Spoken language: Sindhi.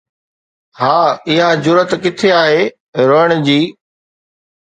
ها، اها جرئت ڪٿي آهي روئڻ جي؟